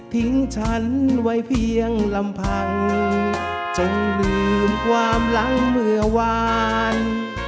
ฉันไว้เพียงลำพังจึงลืมความหลังเมื่อวาน